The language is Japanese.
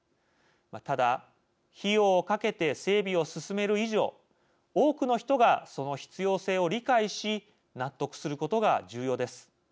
ただ、費用を掛けて整備を進める以上、多くの人がその必要性を理解し納得することが重要です。